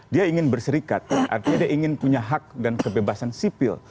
dia ingin berserikat artinya dia ingin punya hak dan kebebasan sipil